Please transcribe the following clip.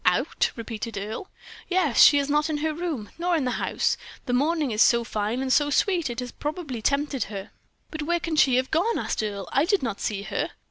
"Out!" repeated Earle. "Yes; she is not in her room, nor in the house. The morning is so fine, and so sweet, it has very probably tempted her." "But where can she have gone?" asked Earle. "I did not see her."